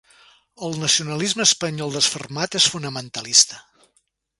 El nacionalisme espanyol desfermat és fonamentalista.